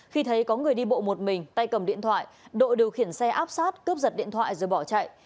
khi thấy có người đi bộ một mình tay cầm điện thoại độ điều khiển xe áp sát cướp giật điện thoại rồi bỏ chạy